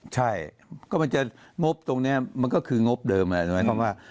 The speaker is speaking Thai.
ใช่ก็มันจะงบตรงเนี่ยมันก็คืองบเดิมนะ